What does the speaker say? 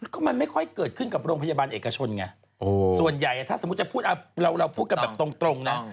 ก็มันไม่ค่อยเกิดขึ้นกับโรงพยาบาลเอกชนไงส่วนใหญ่ถ้าสมมุติจะพูดเราพูดกันแบบตรงนะ